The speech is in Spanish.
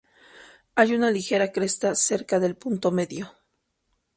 Hay una ligera cresta cerca del punto medio.